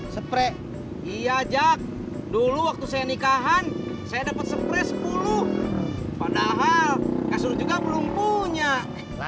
spre iya jak dulu waktu saya nikahan saya dapat spray sepuluh padahal kasur juga belum punya